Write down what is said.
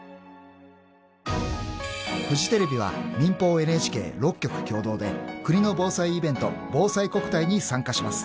［フジテレビは民放ＮＨＫ６局共同で国の防災イベントぼうさいこくたいに参加します］